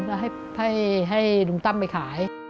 แล้วให้ให้นุ่มต้ำไปขาย